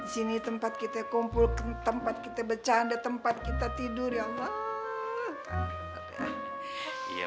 sini tempat kita kumpulkan tempat kita bercanda tempat kita tidur ya allah